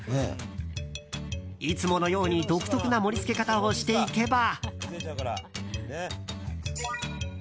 いつものように独特な盛り付け方をしていけば。